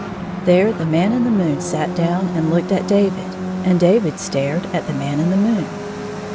There the Man in the moon sat down and looked at David, and David stared at the Man in the moon.